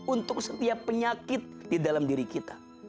untuk setiap penyakit di dalam diri kita